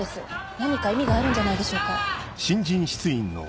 何か意味があるんじゃないでしょうか。